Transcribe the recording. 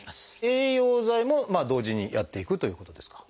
栄養剤も同時にやっていくということですか？